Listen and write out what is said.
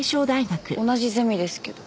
同じゼミですけど。